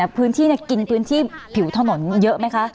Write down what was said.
พื้นที่เนี่ยกินที่ผิวถนนเยอะมั้ยคะ